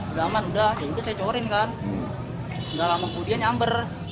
udah aman udah dan itu saya corin kan nggak lama kemudian nyambar